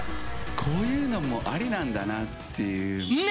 こういうのもありなんだなっていう。